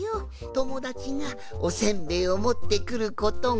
ともだちがおせんべいをもってくることがな。